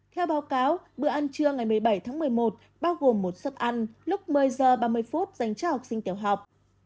theo báo cáo bữa ăn trưa ngày một mươi bảy tháng một mươi một bao gồm một suất ăn lúc một mươi giờ ba mươi phút dành cho học sinh tiểu học